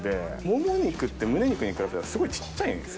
モモ肉って胸肉に比べたらすごい小っちゃいんですよね。